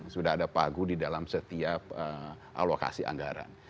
sudah ada pagu di dalam setiap alokasi anggaran